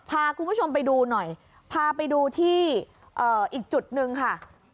พาคุณผู้ชมไปดูหน่อยพาไปดูที่อีกจุดหนึ่งค่ะ